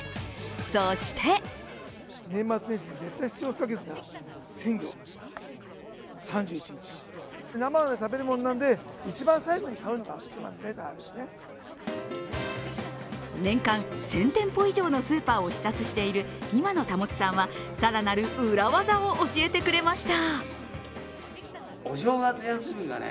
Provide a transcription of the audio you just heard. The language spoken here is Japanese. そして年間１０００店舗以上のスーパーを視察している今野保さんは更なる裏ワザを教えてくれました。